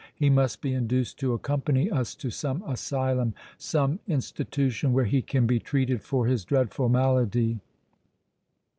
He must be induced to accompany us to some asylum, some institution where he can be treated for his dreadful malady."